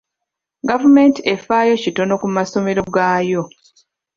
Gavumenti efaayo kitono ku masomero gaayo.